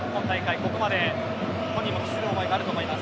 ここまで本人も強い思いがあると思います。